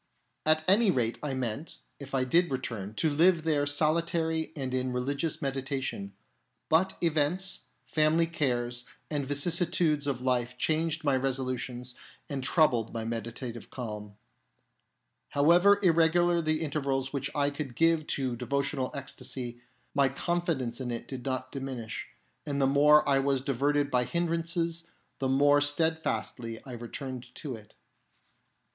At any rate I meant, if I did return, to live there solitary and in religious meditation ; 1 In the Mosque of Omar. FINDS GOD 47 but events, family cares, and vicissitudes of life changed my resolutions and troubled my medita tive calm. However irregular the intervals which I could give to devotional ecstasy, my confidence in it did not diminish ; and the more I was diverted by hindrances, the more steadfastly I returned to it.